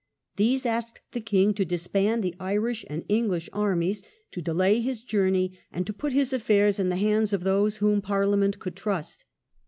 These asked the king to disband the Irish and English armies, to delay his journey, and to put his affairs in the hands of those whom Parliament could trust.